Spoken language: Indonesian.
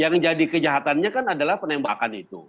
yang jadi kejahatannya kan adalah penembakan itu